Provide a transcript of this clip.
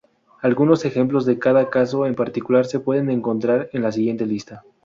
Algunos ejemplos de cada caso en particular se pueden encontrar en la siguiente lista.